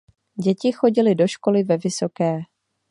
Děti chodily do školy ve Vysoké.